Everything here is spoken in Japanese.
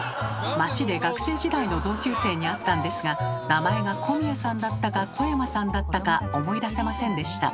街で学生時代の同級生に会ったんですが名前が小宮さんだったか小山さんだったか思い出せませんでした。